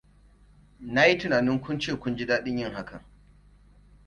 Na yi tunani kun ce kun ji daɗin yin hakan.